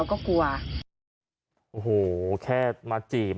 โอ้โหแค่มาจีบ